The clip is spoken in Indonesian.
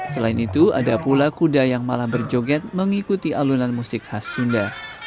selain itu ada pula kuda yang malah berjoget mengikuti alunan musik khas kunda